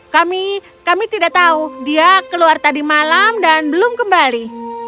kami kami tidak tahu dia keluar tadi malam dan belum kembali